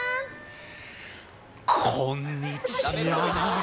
こんにちは。